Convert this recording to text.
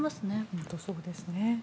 本当にそうですね。